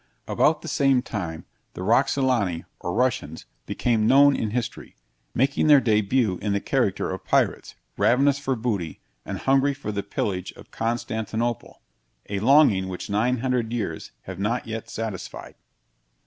About the same time, the Roxolani or Russians, became known in history, making their debut in the character of pirates, ravenous for booty, and hungry for the pillage of Constantinople a longing which 900 years have not yet satisfied.